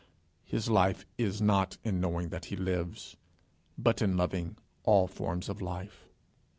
His life is not in knowing that he lives, but in loving all forms of life.